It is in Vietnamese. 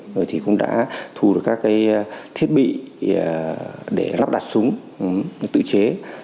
rồi cũng đã thu được các thiết bị để lắp đặt súng tự chế